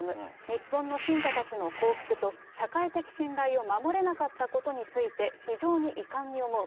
日本の信者たちの幸福と社会的信頼を守れなかったことについて非常に遺憾に思う。